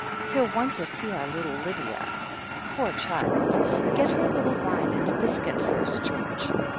"He'll want to see our little Lydia." "Poor child! Get her a little wine and a Hscuit first, George."